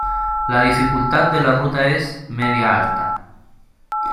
La dificultad de la ruta es media-alta.